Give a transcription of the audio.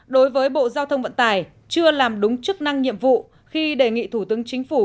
đối với bộ giao thông vận tải chưa làm đúng chức năng nhiệm vụ khi đề nghị thủ tướng chính phủ